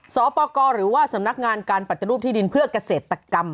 สปกรหรือว่าสำนักงานการปฏิรูปที่ดินเพื่อเกษตรกรรม